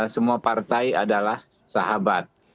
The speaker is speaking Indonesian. semua partai adalah sahabat